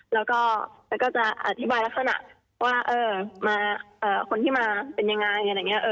แล้วก็จะอธิบายลักษณะว่าคนที่มาเป็นยังไง